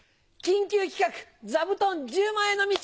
緊急企画「座布団１０枚への道」。